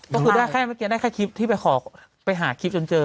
ก็คือได้แค่คลิปที่ไปขอไปหาคลิปจนเจอ